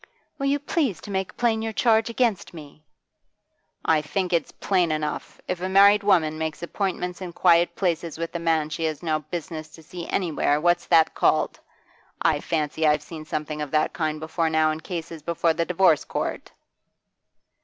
'Will you please to make plain your charge against me?' 'I think it's plain enough. If a married woman makes appointments in quiet places with a man she has no business to see anywhere, what's that called? I fancy I've seen something of that kind before now in cases before the Divorce Court.